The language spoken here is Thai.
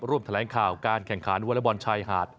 รวมแถลงข่าวการแข่งขาววอลเลอร์บอลชายหาด